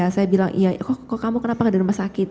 saya bilang kok kamu kenapa gak ada rumah sakit